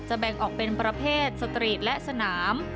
แบ่งออกเป็นประเภทสตรีทและสนาม